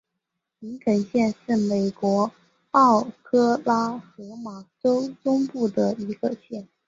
林肯县是美国奥克拉荷马州中部的一个县。